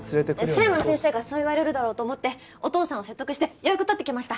佐山先生がそう言われるだろうと思ってお父さんを説得して予約取ってきました！